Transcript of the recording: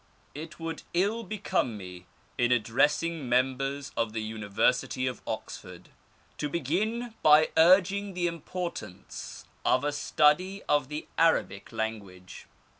It would ill become me, in addressing Members of the Uni versity of Oxford, to begin by urging the importance of a study of the Arabic language.